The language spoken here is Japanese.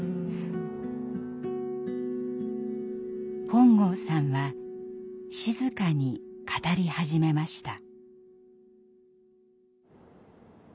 本郷さんは静かに語り始めました。